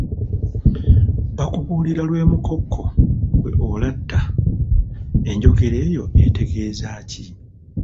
Bakubuulira lw’e Mukoko ggwe olatta. Enjogera eyo etegeeza ki?